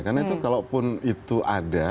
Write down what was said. karena itu kalau pun itu ada